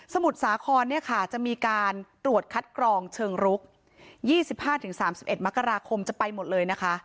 มุทรสาครเนี่ยค่ะจะมีการตรวจคัดกรองเชิงรุก๒๕๓๑มกราคมจะไปหมดเลยนะคะ